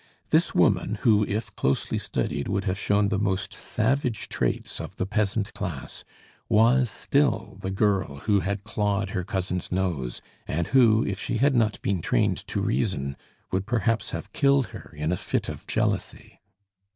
This woman, who, if closely studied, would have shown the most savage traits of the peasant class, was still the girl who had clawed her cousin's nose, and who, if she had not been trained to reason, would perhaps have killed her in a fit of jealousy.